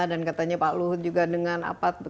dan katanya pak luhut juga dengan